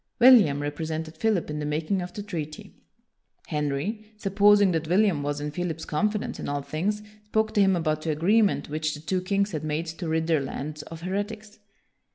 William represented Philip in the making of the treaty. Henry, supposing that William was in Philip's confidence in all things, spoke to him about the agreement which the two kings had made to rid their lands of heretics.